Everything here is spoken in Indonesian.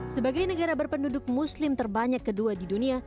sebagai negara berpenduduk muslim terbanyak kedua di dunia